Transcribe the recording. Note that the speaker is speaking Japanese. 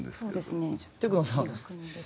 そうです。